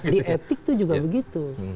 di etik itu juga begitu